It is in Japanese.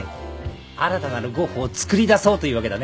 新たなるゴッホをつくりだそうというわけだね？